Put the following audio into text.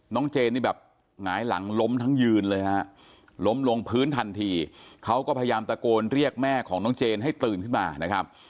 เจนนี่แบบหงายหลังล้มทั้งยืนเลยฮะล้มลงพื้นทันทีเขาก็พยายามตะโกนเรียกแม่ของน้องเจนให้ตื่นขึ้นมานะครับ